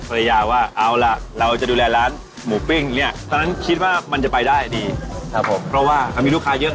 เพราะว่ามีลูกค้าเยอะหรืออย่างไร